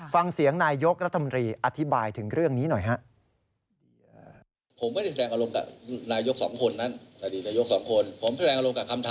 ฟังเสียงนายยกรัฐมนตรีอธิบายถึงเรื่องนี้หน่อยฮะ